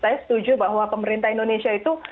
saya setuju bahwa pemerintah indonesia itu